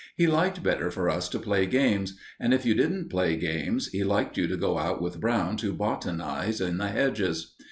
He liked better for us to play games; and if you didn't play games, he liked you to go out with Brown to botanize in the hedges.